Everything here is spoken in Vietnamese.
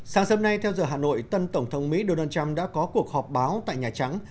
sáng sớm nay theo giờ hà nội tân tổng thống mỹ donald trump đã có cuộc họp báo tại nhà trắng